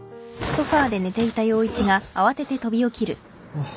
あっ。